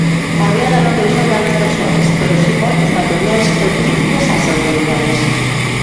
A riada non deixou danos persoais, pero si moitos materiais e críticas ás autoridades.